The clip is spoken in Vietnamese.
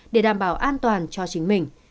để đảm bảo an toàn cho chính mình